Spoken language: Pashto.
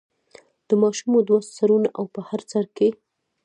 د ماشوم دوه سرونه او په هر سر کې.